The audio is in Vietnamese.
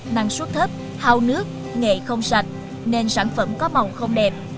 năng suất thấp hao nước nghệ không sạch nên sản phẩm có màu không đẹp